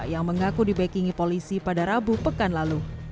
yang mengaku dibekingi polisi pada rabu pekan lalu